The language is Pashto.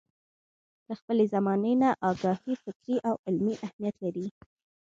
له خپلې زمانې نه اګاهي فکري او عملي اهميت لري.